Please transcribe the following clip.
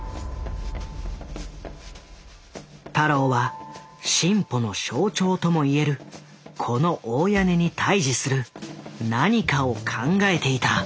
太郎は進歩の象徴ともいえるこの大屋根に対峙する何かを考えていた。